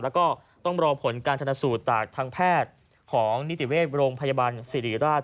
แล้วก็ต้องรอผลการชนสูตรจากทางแพทย์ของนิติเวชโรงพยาบาลสิริราช